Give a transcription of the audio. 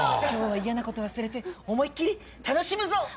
今日は嫌なこと忘れて思いっきり楽しむぞ！